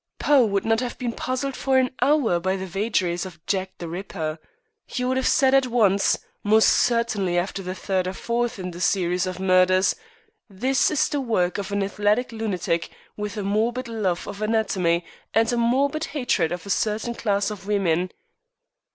Poe would not have been puzzled for an hour by the vagaries of Jack the Ripper. He would have said at once most certainly after the third or fourth in the series of murders 'This is the work of an athletic lunatic, with a morbid love of anatomy and a morbid hatred of a certain class of women.